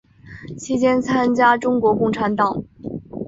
期间参加中国共产党。